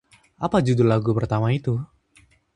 Apa judul lagu pertama itu?